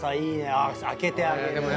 あっ空けてあげる。